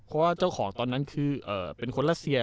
เพราะเจ้าของตอนนั้นคือ